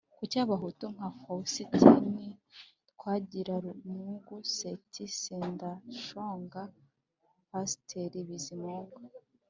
kuki abahutu nka fawusitini twagiramungu, seti sendashonga, pasiteri bizimungu,